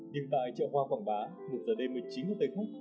điểm tại chợ hoa quảng bá một giờ đêm một mươi chín h tây phút